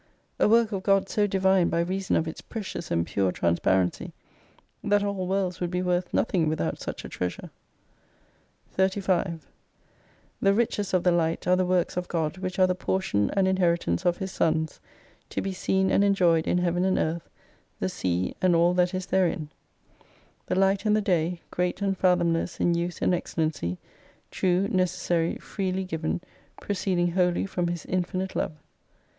A work of God so Divine by reason of its precious and pure transparency, that all worlds would be worth nothing without such a treasure. 35 The riches of the Light are the Works of God which are the portion and inheritance of His sons, to be seen and enjoyed in Heaven and Earth, the sea, and all that is therein : the Light and the Day, great and fathomless in use and excellency, true, necessary, freely given, proceeding wholly from His infinite love.